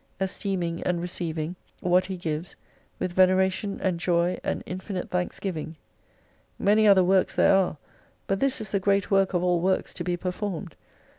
Esteeming and receiving what 272 He gives, with veneration and joy and infinite thanks giving. Many other works there are, but this is the great work of all works to be performed.